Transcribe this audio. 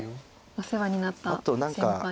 お世話になった先輩。